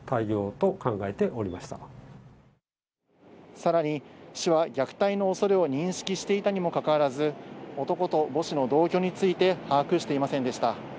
さらに市は虐待の恐れを認識していたにもかかわらず、男と母子の同居について把握していませんでした。